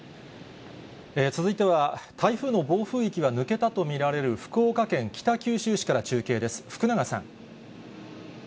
続いては、台風の暴風域は抜けたと見られる福岡県北九州市から中継です。